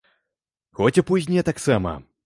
Хоць і познія таксама!